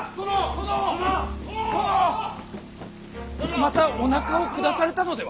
またおなかを下されたのでは？